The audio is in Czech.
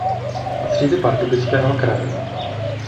A třídy Pardubického kraje.